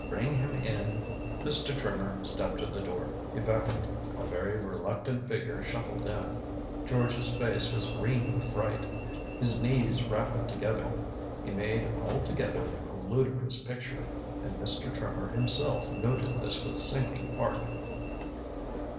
Bring him in." Mr. Trimmer stepped to the door. He beckoned. A very reluctant figure shuffled in. George's face was green with fright. His knees rattled together. He made, altogether, a ludicrous picture, and Mr. Trimmer himself noted this with sinking heart.